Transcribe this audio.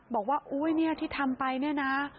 บอกว่าอุ๊ยเนี่ยที่ทำไปเนี่ยนะ